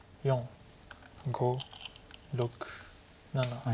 ５６７。